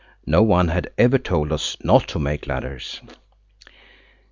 No one had ever told us not to make ladders.